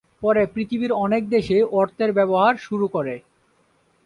পরে পৃথিবীর অনেক দেশই অর্থের ব্যবহার শুরু করে।